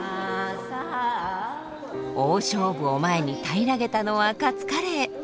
大勝負を前に平らげたのはカツカレー。